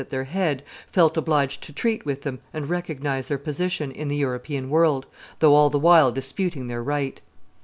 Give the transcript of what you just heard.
at their head, felt obliged to treat with them and recognize their position in the European world, though all the while disputing their right.